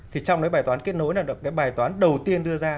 thì trong bài toán kết nối là bài toán đầu tiên đưa ra